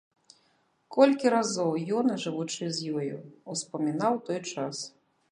Колькі разоў ён, жывучы з ёю, успамінаў той час.